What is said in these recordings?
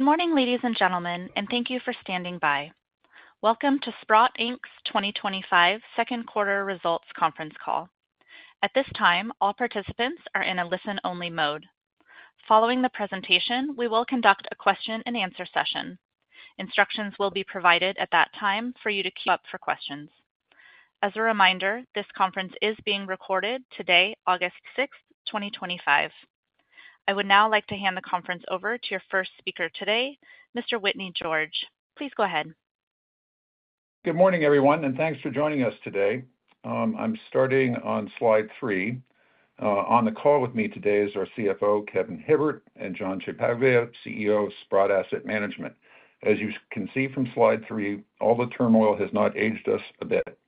Good morning, ladies and gentlemen, and thank you for standing by. Welcome to Sprott Inc.'s 2025 Second Quarter Results Conference Call. At this time, all participants are in a listen-only mode. Following the presentation, we will conduct a question-and-answer session. Instructions will be provided at that time for you to queue up for questions. As a reminder, this conference is being recorded today, August 6th, 2025. I would now like to hand the conference over to our first speaker today, Mr. Whitney George. Please go ahead. Good morning, everyone, and thanks for joining us today. I'm starting on slide three. On the call with me today is our CFO, Kevin Hibbert, and John Ciampaglia, CEO of Sprott Asset Management. As you can see from slide three, all the turmoil has not aged us a bit.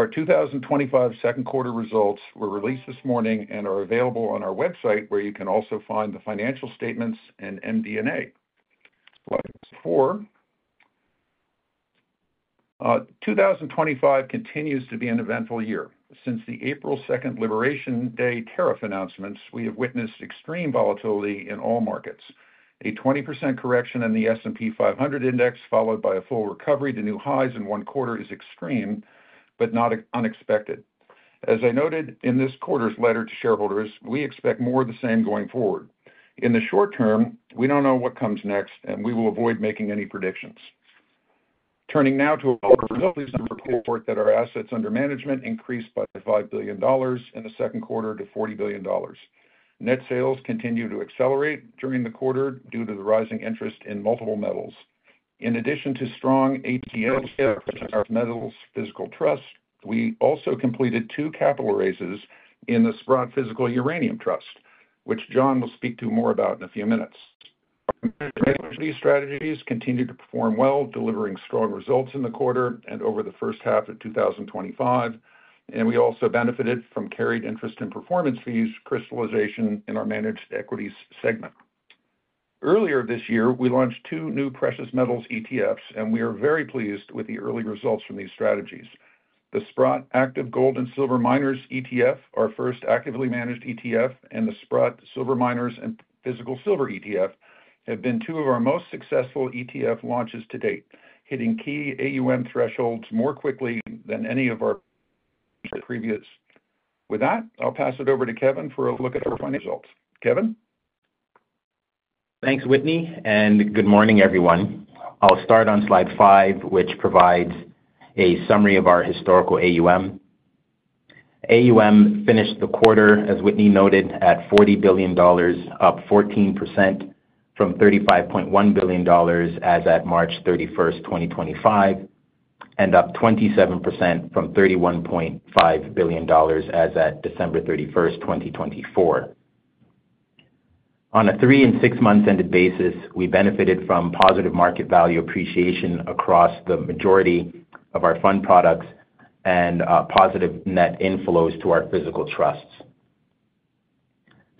Our 2025 second quarter results were released this morning and are available on our website, where you can also find the financial statements and MD&A. 2025 continues to be an eventful year. Since the April 2nd Liberation Day tariff announcements, we have witnessed extreme volatility in all markets. A 20% correction in the S&P 500 index, followed by a full recovery to new highs in one quarter, is extreme, but not unexpected. As I noted in this quarter's letter to shareholders, we expect more of the same going forward. In the short term, we don't know what comes next, and we will avoid making any predictions. Turning now to our quarterly numbers, our assets under management increased by $5 billion in the second quarter to $40 billion. Net sales continue to accelerate during the quarter due to the rising interest in multiple metals. In addition to strong ATM shares in our Metals Physical Trust, we also completed two capital raises in the Sprott Physical Uranium Trust, which John will speak to more about in a few minutes. The strategies continue to perform well, delivering strong results in the quarter and over the first half of 2025. We also benefited from carried interest in performance fee crystallization in our managed equities segment. Earlier this year, we launched two new precious metals ETFs, and we are very pleased with the early results from these strategies. The Sprott Active Gold & Silver Miners ETF, our first actively managed ETF, and the Sprott Silver Miners & Physical Silver ETF have been two of our most successful ETF launches to date, hitting key AUM thresholds more quickly than any of our previous. With that, I'll pass it over to Kevin for a look at our results. Kevin? Thanks, Whitney, and good morning, everyone. I'll start on slide five, which provides a summary of our historical AUM. AUM finished the quarter, as Whitney noted, at $40 billion, up 14% from $35.1 billion as at March 31st, 2025, and up 27% from $31.5 billion as at December 31st, 2024. On a three and six-month ended basis, we benefited from positive market value appreciation across the majority of our fund products and positive net inflows to our physical trusts.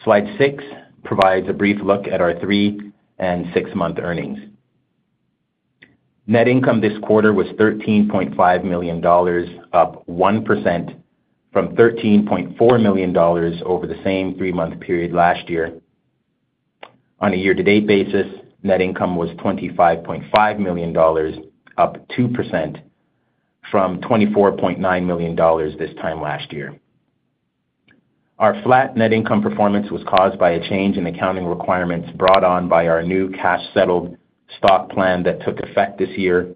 Slide six provides a brief look at our three and six-month earnings. Net income this quarter was $13.5 million, up 1% from $13.4 million over the same three-month period last year. On a year-to-date basis, net income was $25.5 million, up 2% from $24.9 million this time last year. Our flat net income performance was caused by a change in accounting requirements brought on by our new cash-settled stock plan that took effect this year,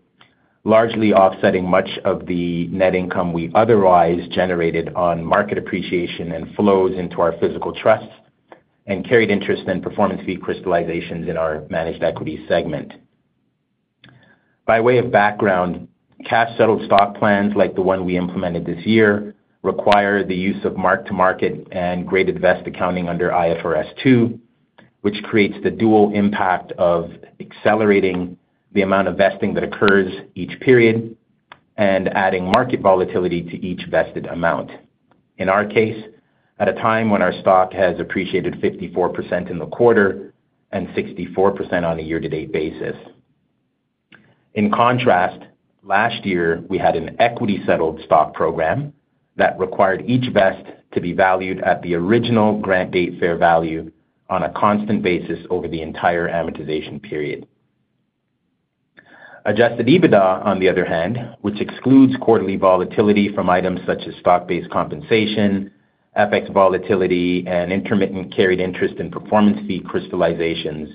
largely offsetting much of the net income we otherwise generated on market appreciation and flows into our physical trusts and carried interest and performance fee crystallizations in our managed equity segment. By way of background, cash-settled stock plans like the one we implemented this year require the use of mark-to-market and graded vest accounting under IFRS 2, which creates the dual impact of accelerating the amount of vesting that occurs each period and adding market volatility to each vested amount. In our case, at a time when our stock has appreciated 54% in the quarter and 64% on a year-to-date basis. In contrast, last year we had an equity-settled stock program that required each vest to be valued at the original grant date fair value on a constant basis over the entire amortization period. Adjusted EBITDA, on the other hand, which excludes quarterly volatility from items such as stock-based compensation, FX volatility, and intermittent carried interest in performance fee crystallizations,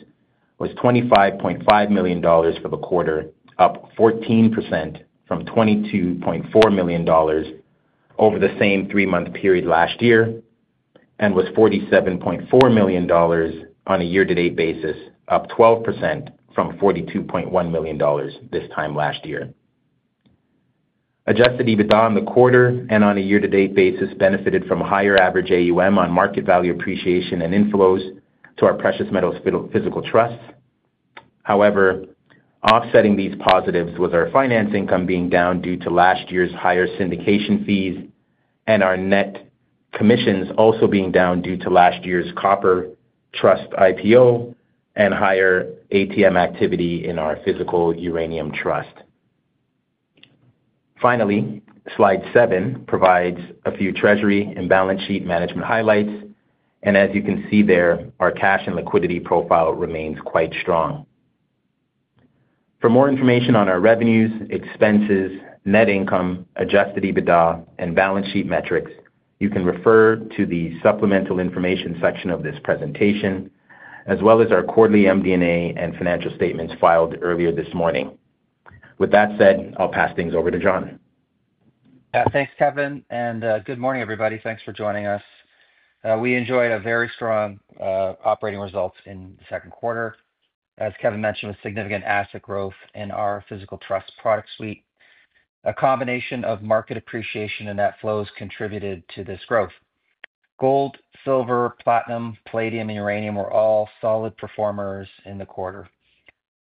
was $25.5 million for the quarter, up 14% from $22.4 million over the same three-month period last year, and was $47.4 million on a year-to-date basis, up 12% from $42.1 million this time last year. Adjusted EBITDA on the quarter and on a year-to-date basis benefited from higher average AUM on market value appreciation and inflows to our precious metals physical trusts. However, offsetting these positives was our finance income being down due to last year's higher syndication fees and our net commissions also being down due to last year's copper trust IPO and higher ATM activity in our physical uranium trust. Finally, slide seven provides a few treasury and balance sheet management highlights. As you can see there, our cash and liquidity profile remains quite strong. For more information on our revenues, expenses, net income, adjusted EBITDA, and balance sheet metrics, you can refer to the supplemental information section of this presentation, as well as our quarterly MDNA and financial statements filed earlier this morning. With that said, I'll pass things over to John. Yeah, thanks, Kevin, and good morning, everybody. Thanks for joining us. We enjoyed a very strong operating result in the second quarter. As Kevin mentioned, with significant asset growth in our physical trust product suite, a combination of market appreciation and net flows contributed to this growth. Gold, silver, platinum, palladium, and uranium were all solid performers in the quarter.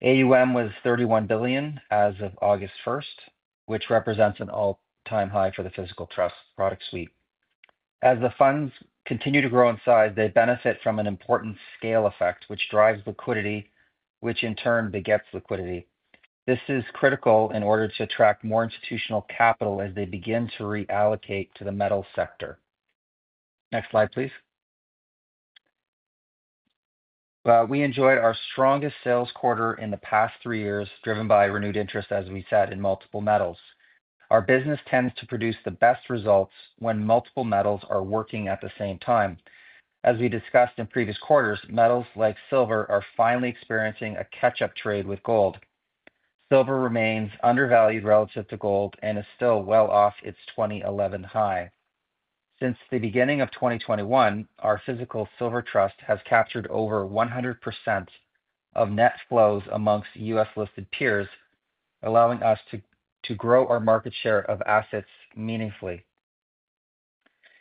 AUM was $31 billion as of August 1st, which represents an all-time high for the physical trust product suite. As the funds continue to grow in size, they benefit from an important scale effect, which drives liquidity, which in turn begets liquidity. This is critical in order to attract more institutional capital as they begin to reallocate to the metal sector. Next slide, please. We enjoyed our strongest sales quarter in the past three years, driven by renewed interest as we said in multiple metals. Our business tends to produce the best results when multiple metals are working at the same time. As we discussed in previous quarters, metals like silver are finally experiencing a catch-up trade with gold. Silver remains undervalued relative to gold and is still well off its 2011 high. Since the beginning of 2021, our Physical Silver Trust has captured over 100% of net flows amongst U.S.-listed peers, allowing us to grow our market share of assets meaningfully.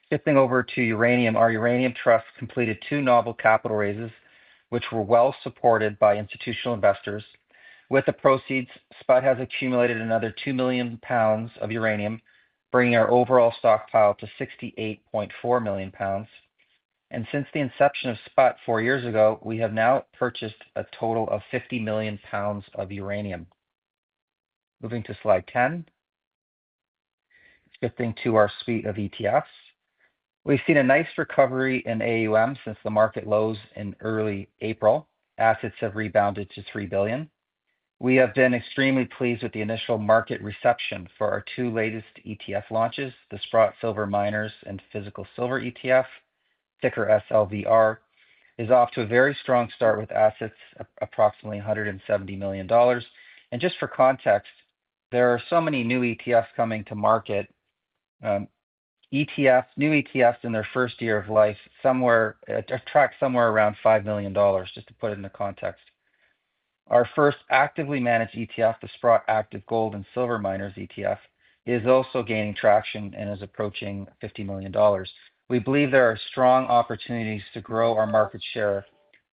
Shifting over to uranium, our Uranium Trust completed two novel capital raises, which were well supported by institutional investors. With the proceeds, Sprott has accumulated another 2 million pounds of uranium, bringing our overall stockpile to 68.4 million pounds. Since the inception of SPUT four years ago, we have now purchased a total of 50 million pounds of uranium. Moving to slide 10, shifting to our suite of ETFs. We've seen a nice recovery in AUM since the market lows in early April. Assets have rebounded to $3 billion. We have been extremely pleased with the initial market reception for our two latest ETF launches, the Sprott Silver Miners & Physical Silver ETF. Ticker SLVR is off to a very strong start with assets of approximately $170 million. Just for context, there are so many new ETFs coming to market. New ETFs in their first year of life, somewhere track somewhere around $5 million, just to put it into context. Our first actively managed ETF, the Sprott Active Gold & Silver Miners ETF, is also gaining traction and is approaching $50 million. We believe there are strong opportunities to grow our market share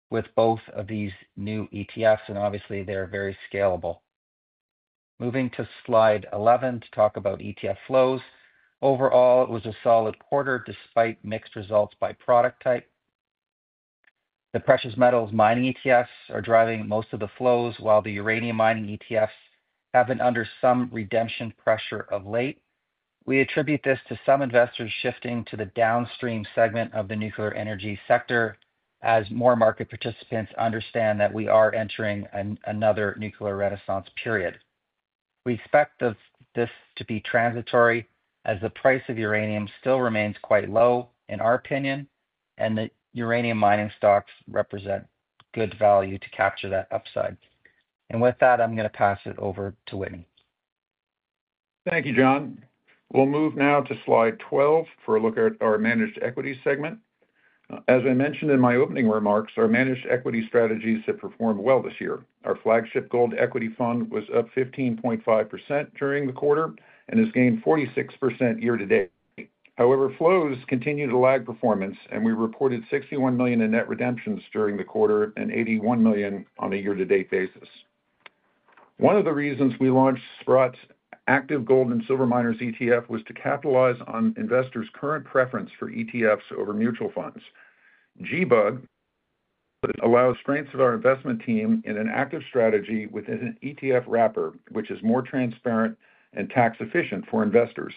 with both of these new ETFs, and obviously they are very scalable. Moving to slide 11 to talk about ETF flows. Overall, it was a solid quarter despite mixed results by product type. The precious metals mining ETFs are driving most of the flows, while the uranium mining ETFs have been under some redemption pressure of late. We attribute this to some investors shifting to the downstream segment of the nuclear energy sector as more market participants understand that we are entering another nuclear renaissance period. We expect this to be transitory as the price of uranium still remains quite low in our opinion, and the uranium mining stocks represent good value to capture that upside. With that, I'm going to pass it over to Whitney. Thank you, John. We'll move now to slide 12 for a look at our managed equity segment. As I mentioned in my opening remarks, our managed equity strategies have performed well this year. Our flagship gold equity fund was up 15.5% during the quarter and has gained 46% year to date. However, flows continue to lag performance, and we reported $61 million in net redemptions during the quarter and $81 million on a year-to-date basis. One of the reasons we launched Sprott Active Gold & Silver Miners ETF was to capitalize on investors' current preference for ETFs over mutual funds. GBUG allows strengths of our investment team in an active strategy with an ETF wrapper, which is more transparent and tax-efficient for investors.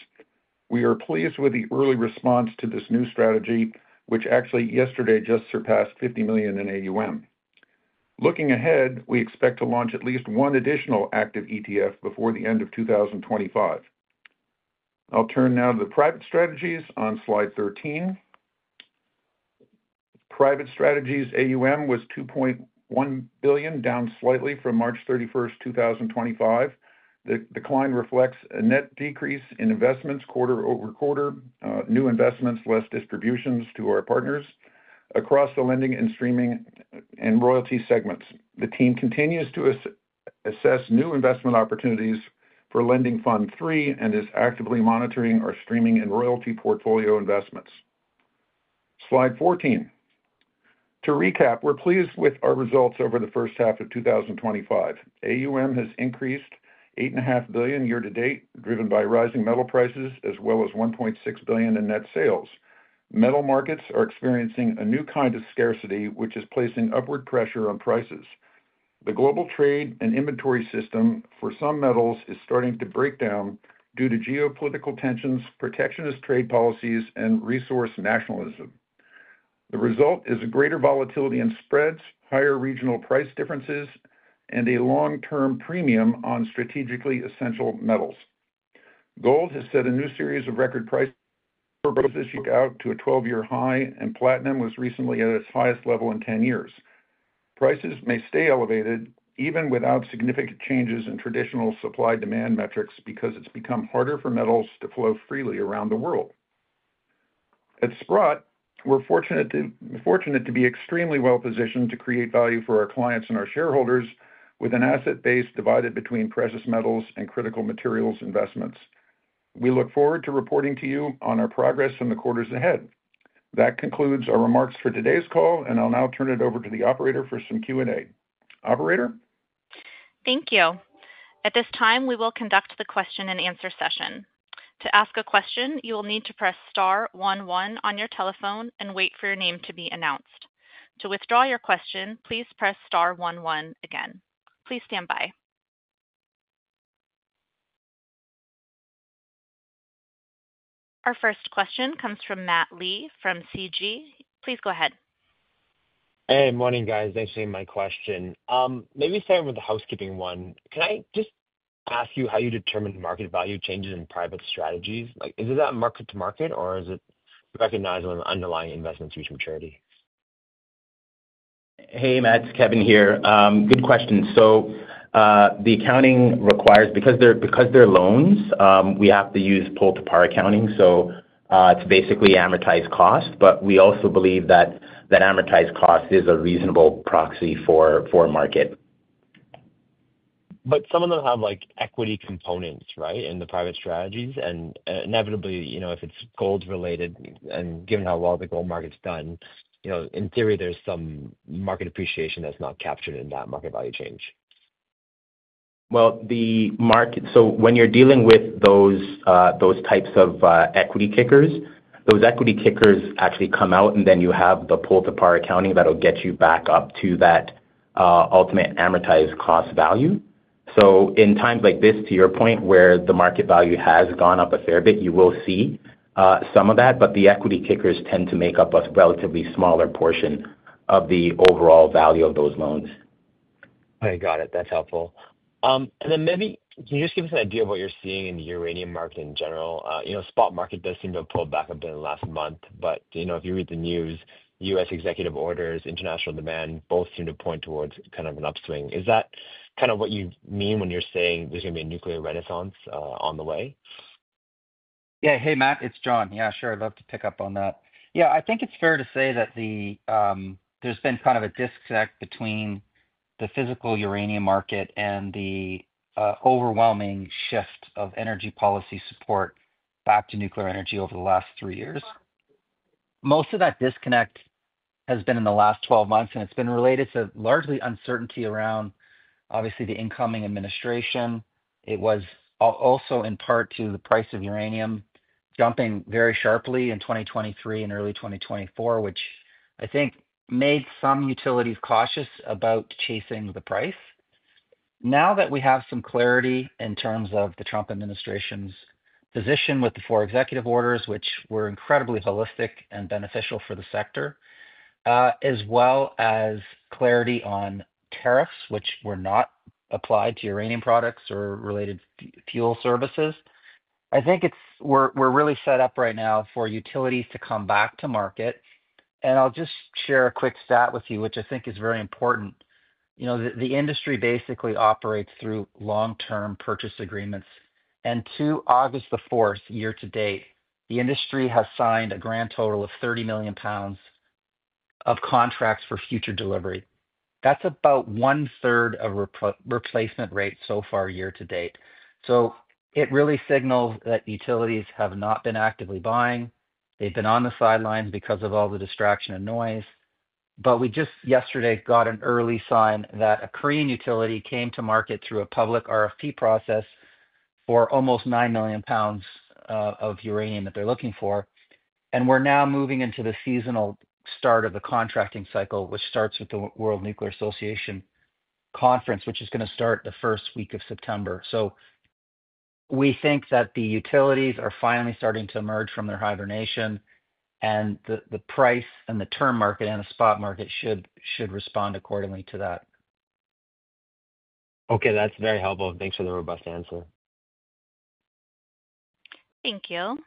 We are pleased with the early response to this new strategy, which actually yesterday just surpassed $50 million in AUM. Looking ahead, we expect to launch at least one additional active ETF before the end of 2025. I'll turn now to the private strategies on slide 13. Private strategies AUM was $2.1 billion, down slightly from March 31st, 2025. The decline reflects a net decrease in investments quarter over quarter, new investments, less distributions to our partners across the lending and streaming and royalty segments. The team continues to assess new investment opportunities for Lending Fund III and is actively monitoring our streaming and royalty portfolio investments. Slide 14. To recap, we're pleased with our results over the first half of 2025. AUM has increased $8.5 billion year to date, driven by rising metal prices as well as $1.6 billion in net sales. Metal markets are experiencing a new kind of scarcity, which is placing upward pressure on prices. The global trade and inventory system for some metals is starting to break down due to geopolitical tensions, protectionist trade policies, and resource nationalism. The result is a greater volatility in spreads, higher regional price differences, and a long-term premium on strategically essential metals. Gold has set a new series of record prices for both this year out to a 12-year high, and platinum was recently at its highest level in 10 years. Prices may stay elevated even without significant changes in traditional supply-demand metrics because it's become harder for metals to flow freely around the world. At Sprott, we're fortunate to be extremely well positioned to create value for our clients and our shareholders with an asset base divided between precious metals and critical materials investments. We look forward to reporting to you on our progress in the quarters ahead. That concludes our remarks for today's call, and I'll now turn it over to the operator for some Q&A. Operator? Thank you. At this time, we will conduct the question-and-answer session. To ask a question, you will need to press star one one on your telephone and wait for your name to be announced. To withdraw your question, please press star one one again. Please stand by. Our first question comes from Matt Lee from CG. Please go ahead. Hey, morning, guys. Thanks for seeing my question. Maybe starting with the housekeeping one, can I just ask you how you determine market value changes in private strategies? Is it that mark to market, or is it recognizing an underlying investment's future maturity? Hey, Matt, it's Kevin here. Good question. The accounting requires, because they're loans, we have to use pull-to-par accounting. It's basically amortized cost, but we also believe that that amortized cost is a reasonable proxy for market. Some of them have equity components, right, in the private strategies. Inevitably, if it's gold-related, and given how well the gold market's done, in theory, there's some market appreciation that's not captured in that market value change. When you're dealing with those types of equity kickers, those equity kickers actually come out, and then you have the pull-to-par accounting that'll get you back up to that ultimate amortized cost value. In times like this, to your point, where the market value has gone up a fair bit, you will see some of that, but the equity kickers tend to make up a relatively smaller portion of the overall value of those loans. I got it. That's helpful. Maybe, can you just give us an idea of what you're seeing in the uranium market in general? You know, spot market does seem to have pulled back a bit in the last month, but if you read the news, U.S. executive orders, international demand, both seem to point towards kind of an upswing. Is that kind of what you mean when you're saying there's going to be a nuclear renaissance on the way? Yeah, hey Matt, it's John. Yeah, sure, I'd love to pick up on that. I think it's fair to say that there's been kind of a disconnect between the physical uranium market and the overwhelming shift of energy policy support back to nuclear energy over the last three years. Most of that disconnect has been in the last 12 months, and it's been related to largely uncertainty around, obviously, the incoming administration. It was also in part due to the price of uranium jumping very sharply in 2023 and early 2024, which I think made some utilities cautious about chasing the price. Now that we have some clarity in terms of the Trump administration's position with the four executive orders, which were incredibly holistic and beneficial for the sector, as well as clarity on tariffs, which were not applied to uranium products or related fuel services, I think we're really set up right now for utilities to come back to market. I'll just share a quick stat with you, which I think is very important. You know, the industry basically operates through long-term purchase agreements. To August 4th, year to date, the industry has signed a grand total of 30 million pounds of contracts for future delivery. That's about one-third of replacement rates so far year to date. It really signals that utilities have not been actively buying. They've been on the sidelines because of all the distraction and noise. We just yesterday got an early sign that a Korean utility came to market through a public RFP process for almost 9 million pounds of uranium that they're looking for. We're now moving into the seasonal start of the contracting cycle, which starts with the World Nuclear Association Conference, which is going to start the first week of September. We think that the utilities are finally starting to emerge from their hibernation, and the price and the term market and the spot market should respond accordingly to that. Okay, that's very helpful. Thanks for the robust answer. Thank you.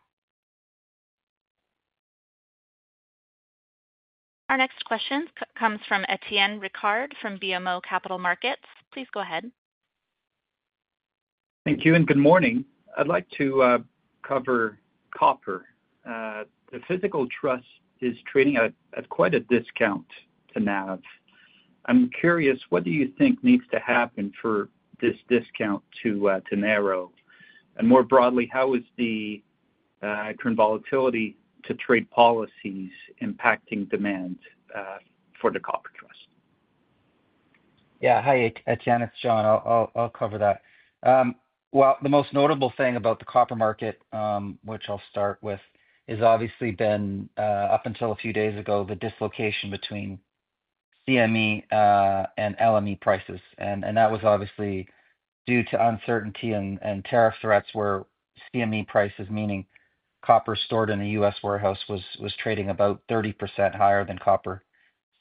Our next question comes from Étienne Ricard from BMO Capital Markets. Please go ahead. Thank you, and good morning. I'd like to cover copper. The Copper Physical Trust is trading at quite a discount to NAV. I'm curious, what do you think needs to happen for this discount to narrow? More broadly, how is the current volatility to trade policies impacting demand for the copper trust? Yeah, hi, Étienne. It's John. I'll cover that. The most notable thing about the copper market, which I'll start with, has obviously been, up until a few days ago, the dislocation between CME and LME prices. That was obviously due to uncertainty and tariff threats, where CME prices, meaning copper stored in the U.S. warehouse, was trading about 30% higher than copper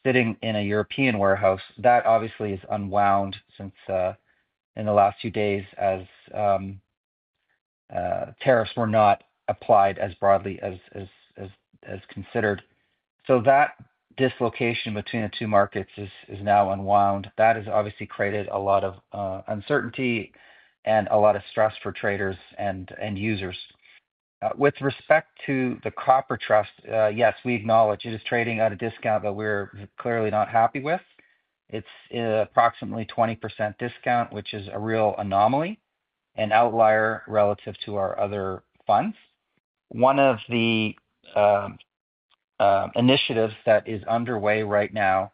sitting in a European warehouse. That obviously has unwound since in the last few days as tariffs were not applied as broadly as considered. That dislocation between the two markets is now unwound. That has obviously created a lot of uncertainty and a lot of stress for traders and users. With respect to the copper trust, yes, we acknowledge it is trading at a discount that we're clearly not happy with. It's an approximately 20% discount, which is a real anomaly, an outlier relative to our other funds. One of the initiatives that is underway right now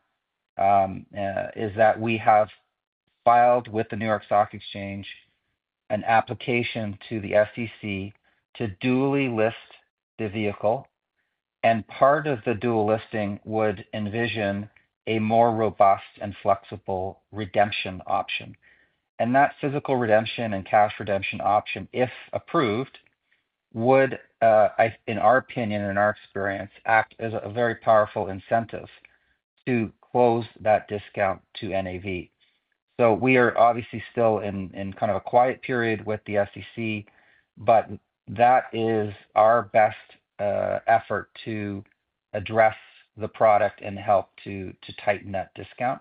is that we have filed with the New York Stock Exchange an application to the SEC to dual list the vehicle. Part of the dual listing would envision a more robust and flexible redemption option. That physical redemption and cash redemption option, if approved, would, in our opinion and in our experience, act as a very powerful incentive to close that discount to NAV. We are obviously still in kind of a quiet period with the SEC, but that is our best effort to address the product and help to tighten that discount.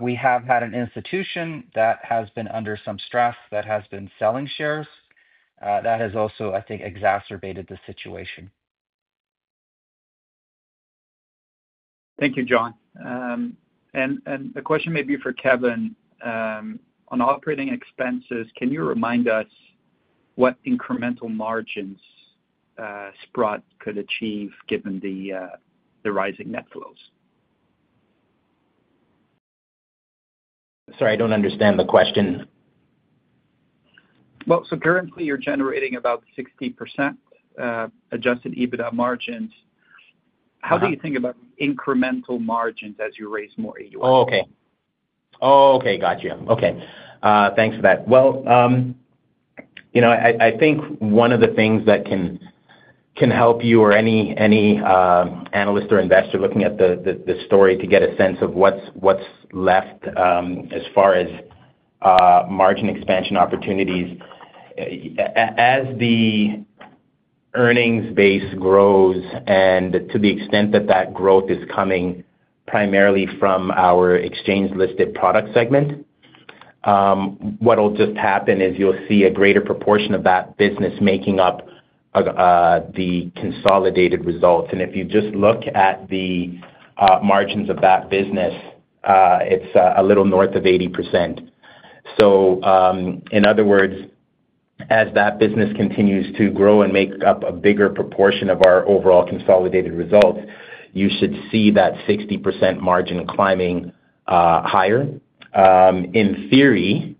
We have had an institution that has been under some stress that has been selling shares. That has also, I think, exacerbated the situation. Thank you, John. The question may be for Kevin. On operating expenses, can you remind us what incremental margins Sprott could achieve given the rising net flows? Sorry, I don't understand the question. Currently you're generating about 60% adjusted EBITDA margins. How do you think about incremental margins as you raise more AUM? Okay, got you. Thanks for that. I think one of the things that can help you or any analyst or investor looking at the story to get a sense of what's left as far as margin expansion opportunities, as the earnings base grows, and to the extent that that growth is coming primarily from our exchange-listed product segment, what'll just happen is you'll see a greater proportion of that business making up the consolidated results. If you just look at the margins of that business, it's a little north of 80%. In other words, as that business continues to grow and make up a bigger proportion of our overall consolidated results, you should see that 60% margin climbing higher. In theory,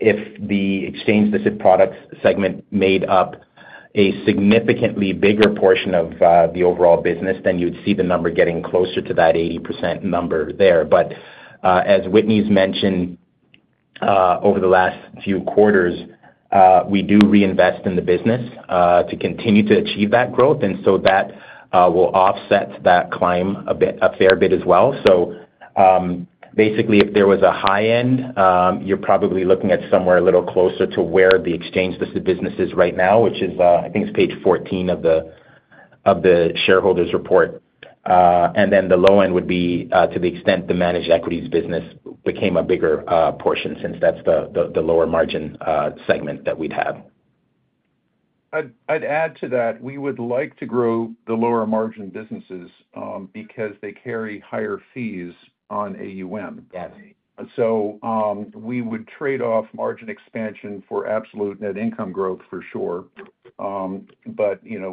if the exchange-listed products segment made up a significantly bigger portion of the overall business, then you'd see the number getting closer to that 80% number there. As Whitney's mentioned, over the last few quarters, we do reinvest in the business to continue to achieve that growth, and that will offset that climb a fair bit as well. Basically, if there was a high end, you're probably looking at somewhere a little closer to where the exchange-listed business is right now, which is, I think it's page 14 of the shareholders' report. The low end would be to the extent the managed equities business became a bigger portion since that's the lower margin segment that we'd have. I'd add to that, we would like to grow the lower margin businesses because they carry higher fees on AUM. Yes. We would trade off margin expansion for absolute net income growth for sure.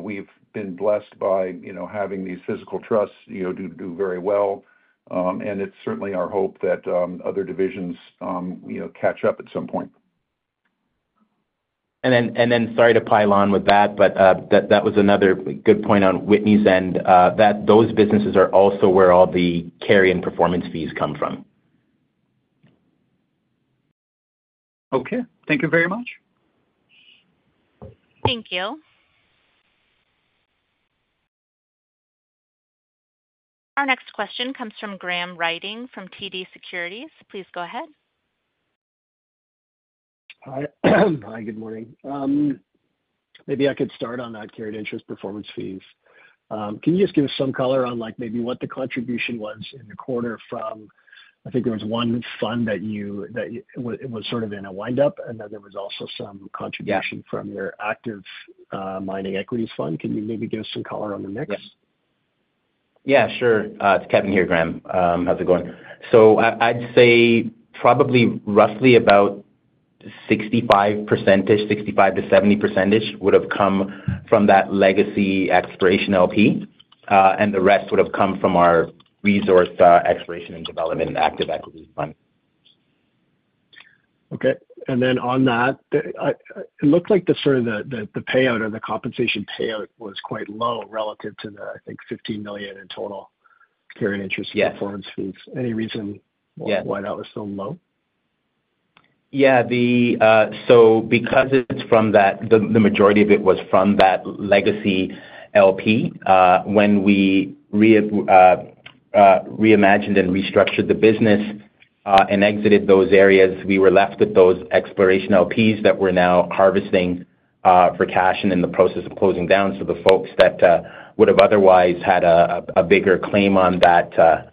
We've been blessed by having these physical trusts do very well, and it's certainly our hope that other divisions catch up at some point. That was another good point on Whitney's end, that those businesses are also where all the carry and performance fees come from. Okay, thank you very much. Thank you. Our next question comes from Graham Ryding from TD Securities. Please go ahead. Hi, good morning. Maybe I could start on that carried interest performance fees. Can you just give us some color on like maybe what the contribution was in the quarter from, I think there was one fund that was sort of in a windup, and then there was also some contribution from your active mining equities fund. Can you maybe give us some color on the mix? Yeah, sure. It's Kevin here, Graham. How's it going? I'd say probably roughly about 65%-70% would have come from that legacy expiration LP. The rest would have come from our resource expiration and development active equity fund. Okay. On that, it looked like the payout or the compensation payout was quite low relative to the, I think, $15 million in total carried interest performance fees. Any reason why that was so low? Yeah, because the majority of it was from that legacy LP. When we reimagined and restructured the business and exited those areas, we were left with those expiration LPs that we're now harvesting for cash and in the process of closing down. The folks that would have otherwise had a bigger claim on that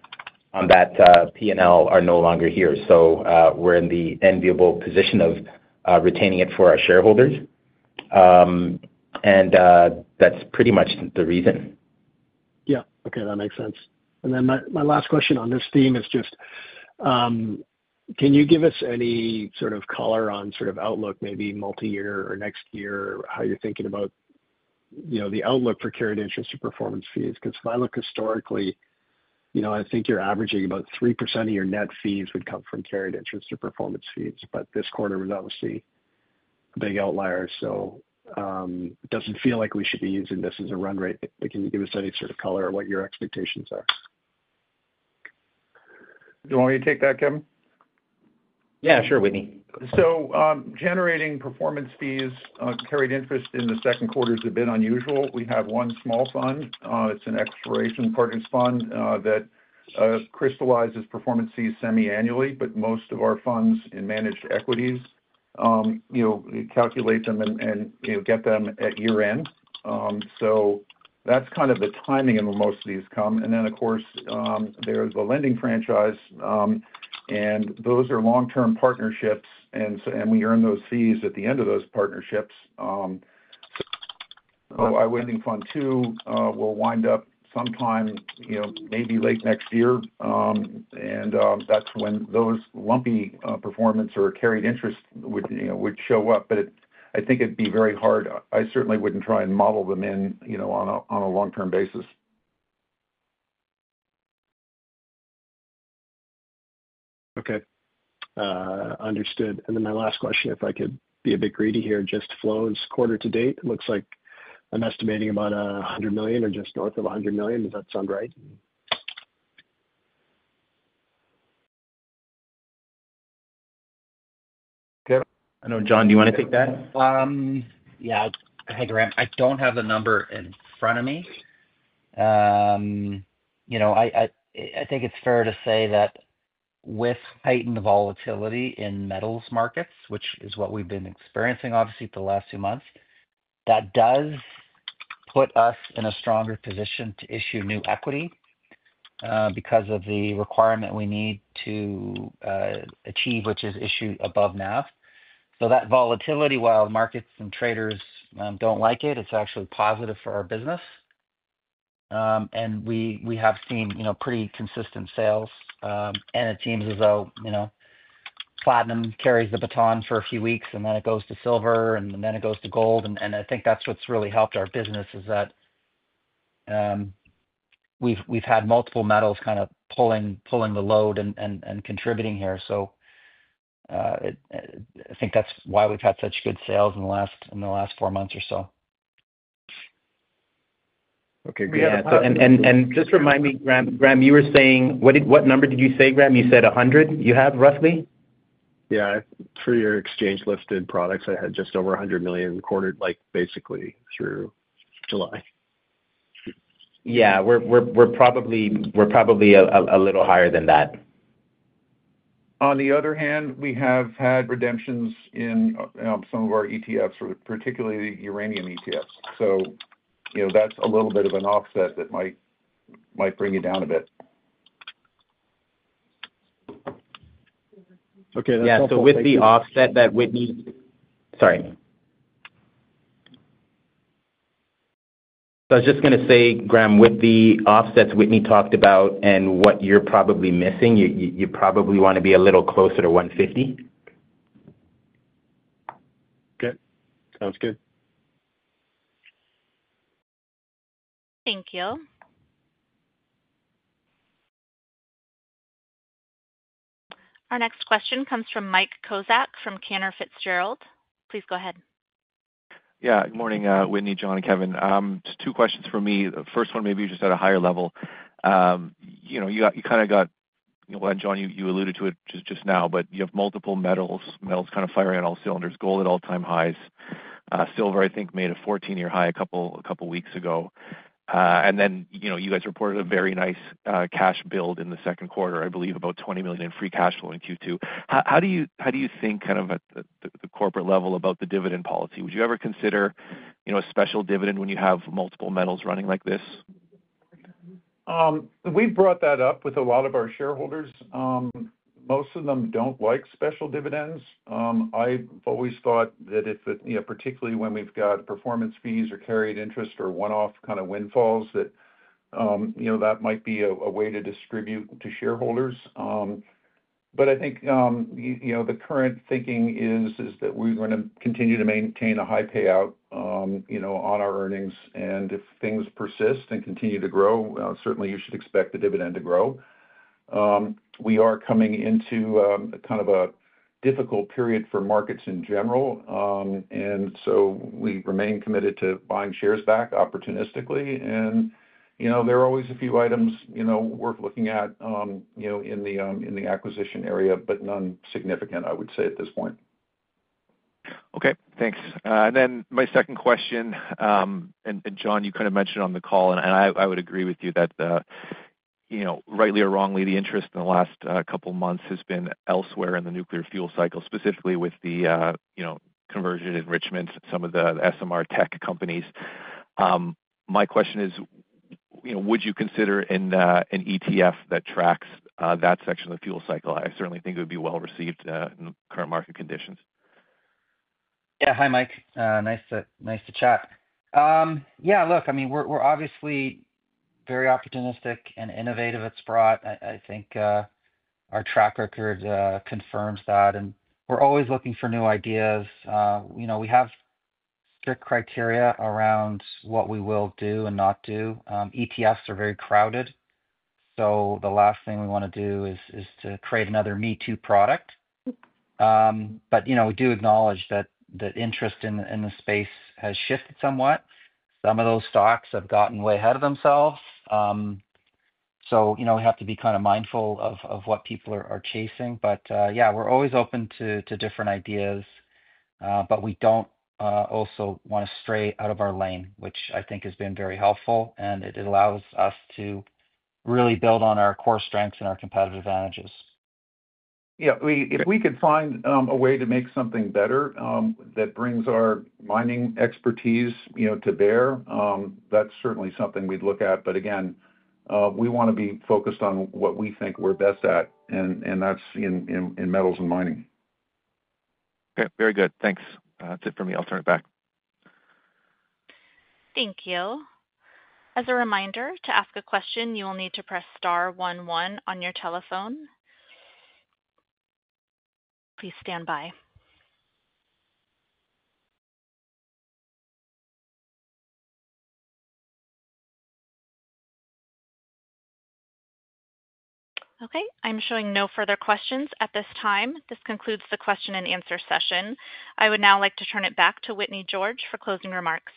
P&L are no longer here. We're in the enviable position of retaining it for our shareholders. That's pretty much the reason. Yeah, okay, that makes sense. My last question on this theme is just, can you give us any sort of color on outlook, maybe multi-year or next year, how you're thinking about the outlook for carried interest or performance fees? If I look historically, I think you're averaging about 3% of your net fees would come from carried interest or performance fees. This quarter was obviously a big outlier. It doesn't feel like we should be using this as a run rate. Can you give us any sort of color on what your expectations are? Do you want me to take that, Kevin? Yeah, sure, Whitney. Generating performance fees, carried interest in the second quarter is a bit unusual. We have one small fund, it's an exploration partners fund that crystallizes performance fees semi-annually, but most of our funds in managed equities, you know, we calculate them and get them at year end. That's kind of the timing of when most of these come. Of course, there's the lending franchise, and those are long-term partnerships, and we earn those fees at the end of those partnerships. Our lending fund, too, will wind up sometime, maybe late next year, and that's when those lumpy performance or carried interest would show up. I think it'd be very hard. I certainly wouldn't try and model them in, you know, on a long-term basis. Okay, understood. My last question, if I could be a bit greedy here, just flows quarter to date. It looks like I'm estimating about $100 million or just north of $100 million. Does that sound right? Good. I know. John, do you want to take that? Yeah, hey Graham, I don't have the number in front of me. I think it's fair to say that with heightened volatility in metals markets, which is what we've been experiencing, obviously, for the last few months, that does put us in a stronger position to issue new equity because of the requirement we need to achieve, which is issue above NAV. That volatility, while the markets and traders don't like it, is actually positive for our business. We have seen pretty consistent sales. It seems as though platinum carries the baton for a few weeks, then it goes to silver, then it goes to gold. I think that's what's really helped our business, that we've had multiple metals kind of pulling the load and contributing here. I think that's why we've had such good sales in the last four months or so. Okay, great. Just remind me, Graham, you were saying, what number did you say, Graham? You said $100 million you have roughly? Yeah, for your exchange-listed products, I had just over $100 million in the quarter, like basically through July. Yeah, we're probably a little higher than that. On the other hand, we have had redemptions in some of our ETFs, particularly the uranium ETFs. That's a little bit of an offset that might bring you down a bit. Okay, that's helpful. With the offset that Whitney, sorry, I was just going to say, Graham, with the offsets Whitney talked about and what you're probably missing, you probably want to be a little closer to $150 million. Okay, sounds good. Thank you. Our next question comes from Mike Kozak from Cantor Fitzgerald. Please go ahead. Yeah, good morning, Whitney, John, and Kevin. Just two questions for me. The first one, maybe just at a higher level. You know, you kind of got, you know, and John, you alluded to it just now, but you have multiple metals, metals kind of firing at all cylinders, gold at all-time highs, silver, I think, made a 14-year high a couple of weeks ago. You guys reported a very nice cash build in the second quarter, I believe, about $20 million in free cash flow in Q2. How do you think kind of at the corporate level about the dividend policy? Would you ever consider, you know, a special dividend when you have multiple metals running like this? We've brought that up with a lot of our shareholders. Most of them don't like special dividends. I've always thought that if, you know, particularly when we've got performance fees or carried interest or one-off kind of windfalls, that, you know, that might be a way to distribute to shareholders. I think the current thinking is that we're going to continue to maintain a high payout on our earnings. If things persist and continue to grow, certainly you should expect the dividend to grow. We are coming into kind of a difficult period for markets in general. We remain committed to buying shares back opportunistically. There are always a few items worth looking at in the acquisition area, but none significant, I would say, at this point. Okay, thanks. My second question, John, you kind of mentioned on the call, and I would agree with you that, you know, rightly or wrongly, the interest in the last couple of months has been elsewhere in the nuclear fuel cycle, specifically with the conversion enrichments, some of the SMR tech companies. My question is, would you consider an ETF that tracks that section of the fuel cycle? I certainly think it would be well received in the current market conditions. Yeah, hi, Mike. Nice to chat. I mean, we're obviously very opportunistic and innovative at Sprott. I think our track record confirms that. We're always looking for new ideas. We have strict criteria around what we will do and not do. ETFs are very crowded. The last thing we want to do is to create another me-too product. We do acknowledge that interest in the space has shifted somewhat. Some of those stocks have gotten way ahead of themselves. We have to be kind of mindful of what people are chasing. We're always open to different ideas. We don't also want to stray out of our lane, which I think has been very helpful. It allows us to really build on our core strengths and our competitive advantages. Yeah, if we could find a way to make something better that brings our mining expertise to bear, that's certainly something we'd look at. Again, we want to be focused on what we think we're best at, and that's in metals and mining. Okay, very good. Thanks. That's it for me. I'll turn it back. Thank you. As a reminder, to ask a question, you will need to press star one one on your telephone. Please stand by. Okay, I'm showing no further questions at this time. This concludes the question-and-answer session. I would now like to turn it back to Whitney George for closing remarks.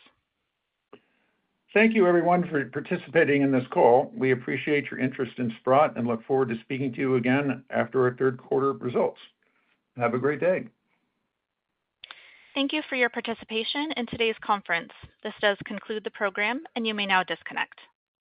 Thank you, everyone, for participating in this call. We appreciate your interest in Sprott and look forward to speaking to you again after our third quarter results. Have a great day. Thank you for your participation in today's conference. This does conclude the program, and you may now disconnect.